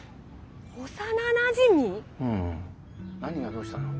何がどうしたの？